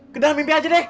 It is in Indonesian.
ke dalam mimpi aja deh